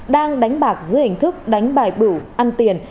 đang đánh bạc dưới hình thức đánh bài bửu ăn tiền